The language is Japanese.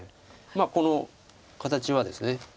まあこの形はですね